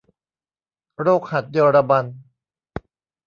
โรคหัดเยอรมัน